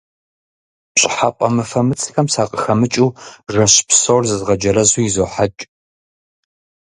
Пщӏыхьэпӏэ мыфэмыцхэм сакъыхэмыкӏыу жэщ псор зызгъэджэрэзу изохьэкӏ.